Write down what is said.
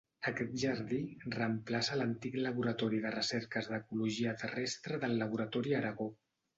Aquest jardí reemplaça l'antic laboratori de recerques d'ecologia terrestre del Laboratori Aragó.